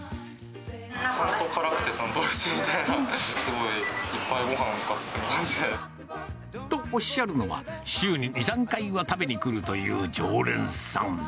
ちゃんと辛くてちゃんとおいしくて、すごいいっぱいごはんが進む感じで。とおっしゃるのが、週に２、３回は食べに来るという常連さん。